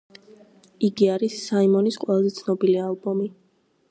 იგი არის საიმონის ყველაზე ცნობილი ალბომი.